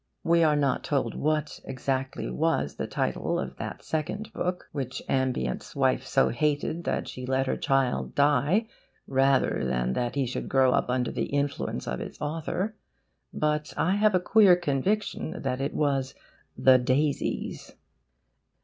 (We are not told what exactly was the title of that second book which Ambient's wife so hated that she let her child die rather than that he should grow up under the influence of its author; but I have a queer conviction that it was THE DAISIES.)